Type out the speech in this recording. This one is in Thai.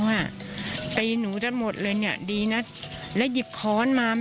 ว่าเป็นหมากเลยเนี่ยดีนะและหยุดขอนมาไหม